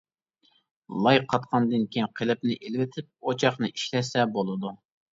لاي قاتقاندىن كېيىن، قېلىپنى ئېلىۋېتىپ ئوچاقنى ئىشلەتسە بولىدۇ.